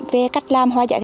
về cách làm hoa dạy